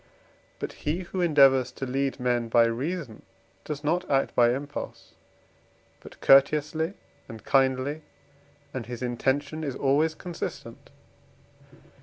But he, who endeavours to lead men by reason, does not act by impulse but courteously and kindly, and his intention is always consistent.